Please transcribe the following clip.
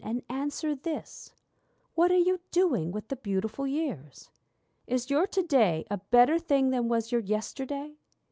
and answer this: What are you doing with the beautiful years? Is your to day a better thing than was your yesterday?